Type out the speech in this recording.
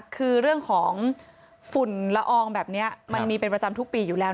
คือเรื่องของฝุ่นละอองแบบนี้มันมีเป็นประจำทุกปีอยู่แล้ว